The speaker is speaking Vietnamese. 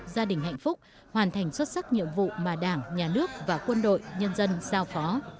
gia đình hạnh phúc hoàn thành xuất sắc nhiệm vụ mà đảng nhà nước và quân đội nhân dân giao phó